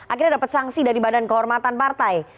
akhirnya dapat sanksi dari badan kehormatan partai